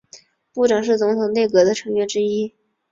部长是总统内阁的成员之一。